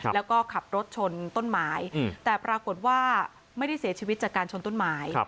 แล้วก็ขับรถชนต้นไม้แต่ปรากฏว่าไม่ได้เสียชีวิตจากการชนต้นไม้